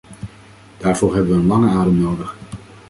Daarvoor hebben we een lange adem nodig.